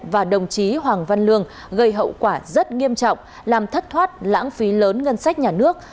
và đồng chí hoàng văn lương gây hậu quả rất nghiêm trọng làm thất thoát lãng phí lớn ngân sách nhà nước